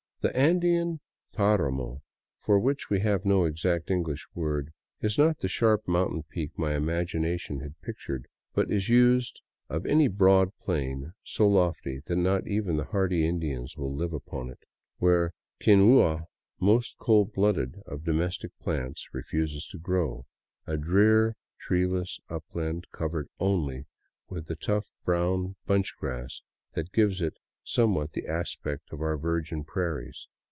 The Andean paramo, for which we have no exact English word, is not the sharp mountain peak my imagination had pictured, but is used of any broad plain so lofty that not even the hardy Indian will live upon it, where quinua, most cold blooded of domestic plants, refuses to grow, a drear treeless upland covered only with a tough brown bunch grass that gives it somewhat the aspect of our virgin prairies.